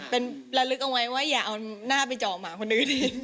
เป็นระลึกเอาไว้ว่าอย่าเอาหน้าไปเจาะหมาคนอื่น